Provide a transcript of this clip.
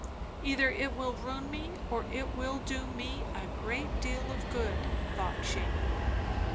Either it will ruin me, or it will do me a great deal of good, thought she.